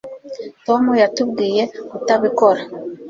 tom yatubwiye kutabikora